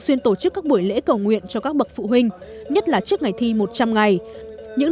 xuyên tổ chức các buổi lễ cầu nguyện cho các bậc phụ huynh nhất là trước ngày thi một trăm linh ngày những